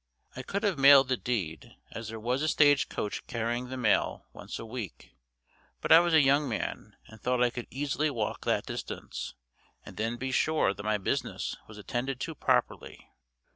I could have mailed the deed, as there was a stage coach carrying the mail once a week, but I was a young man and thought I could easily walk that distance, and then be sure that my business was attended to properly.